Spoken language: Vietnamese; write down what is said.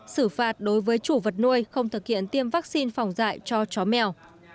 xử phạt đối với chủ vật nuôi không thực hiện tiêm vaccine phòng dạy cho chó mèo